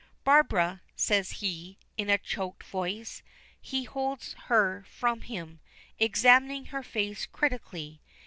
"Barbara," says he, in a choked voice: he holds her from him, examining her face critically.